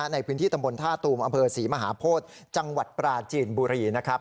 ในพื้นที่ตำบลท่าตูมอำเภอศรีมหาโพธิจังหวัดปราจีนบุรีนะครับ